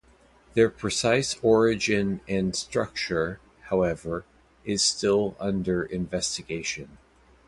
Their precise origin and structure, however, is still under investigation.